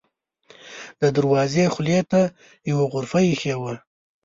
د دروازې خولې ته یوه غرفه اېښې وه.